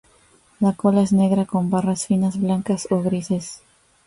La cola es negra con barras finas blancas o grises.